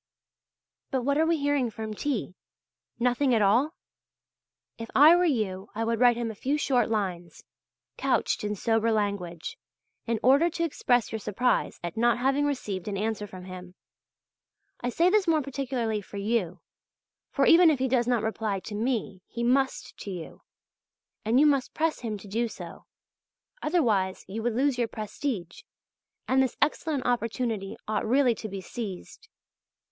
But what are we hearing from T.? Nothing at all? If I were you I would write him a few short lines, couched in sober language, in order to express your surprise at not having received an answer from him. I say this more particularly for you; for even if he does not reply to me, he must to you. And you must press him to do so, otherwise you would lose your prestige, and this excellent opportunity ought really to be seized....